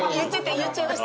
言っちゃいました？